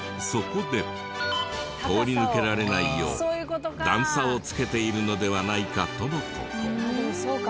そこで通り抜けられないよう段差をつけているのではないかとの事。